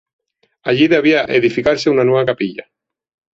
Allí debía edificarse una nueva capilla.